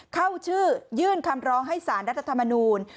เข้าชื่อยื่นคำร้องให้สารรัฐธรรมนูล